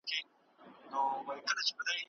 اوږد خوب تل ګټور نه وي.